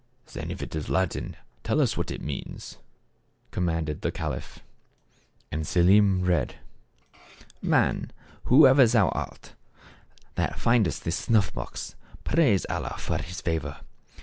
7 " Then if it is Latin tell us what it means," commanded the caliph. And Selim read: "Man, whosoever thou art, that findest this snuff box, praise Allah for his favor.